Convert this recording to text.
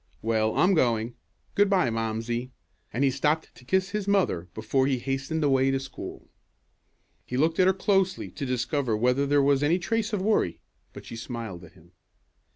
Well, I'm going. Good bye momsey," and he stopped to kiss his mother before he hastened away to school. He looked at her closely to discover whether there was any trace of worry, but she smiled at him.